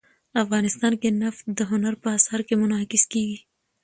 افغانستان کې نفت د هنر په اثار کې منعکس کېږي.